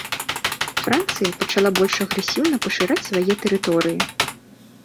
Францыя пачала больш агрэсіўна пашыраць свае тэрыторыі.